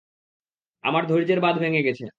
আমার ধৈর্য্যের বাঁধ ভেঙে গেছে।